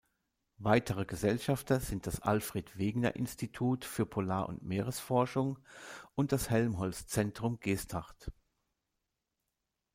Weitere Gesellschafter sind das Alfred-Wegener-Institut für Polar- und Meeresforschung und das Helmholtz-Zentrum Geesthacht.